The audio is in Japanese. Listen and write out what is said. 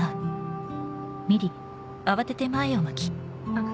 あっ